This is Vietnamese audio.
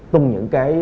tung những cái